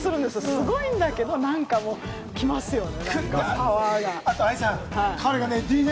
すごいだけれども、何か、来ますよね！